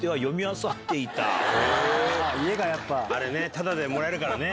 タダでもらえるからね。